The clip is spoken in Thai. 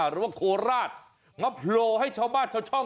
หรือว่าโคลราชง๊อปโพลส์ให้ชาวบ้านชาวช่อง